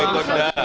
ya itu sudah